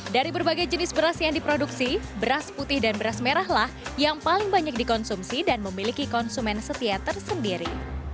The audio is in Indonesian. dari berbagai jenis beras yang diproduksi beras putih dan beras merahlah yang paling banyak dikonsumsi dan memiliki konsumen setia tersendiri